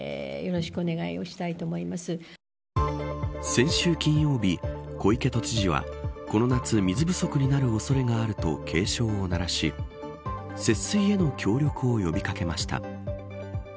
先週金曜日小池都知事は、この夏水不足になる恐れがあると警鐘を鳴らし節水への協力を呼び掛けました。